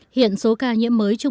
hiện số ca nhiễm mới chung